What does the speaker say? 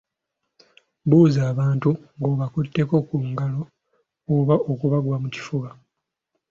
Buuza abantu ng’obakutteko mu ngalo oba okubagwa mu kifuba.